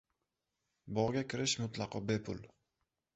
Bog'ga kirish mutlaqo bepul!